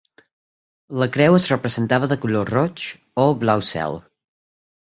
La creu es representava de color roig o blau cel.